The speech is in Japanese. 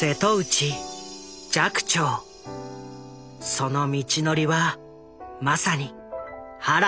その道のりはまさに波乱万丈。